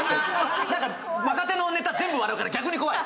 若手のネタ全部笑うから逆に怖い。